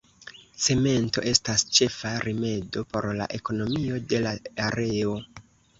Cemento estas ĉefa rimedo por la ekonomio de la areo.